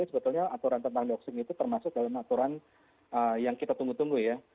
sebetulnya aturan tentang doxing itu termasuk dalam aturan yang kita tunggu tunggu ya